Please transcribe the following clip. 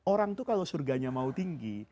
orang itu kalau surganya mau tinggi